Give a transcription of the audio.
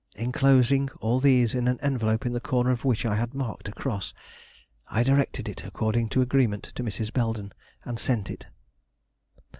Enclosing all these in an envelope in the corner of which I had marked a cross, I directed it, according to agreement, to Mrs. Belden, and sent it.